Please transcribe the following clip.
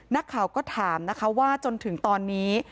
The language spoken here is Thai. นักข่าวก็ถามนะคะว่าจนถึงตอนนี้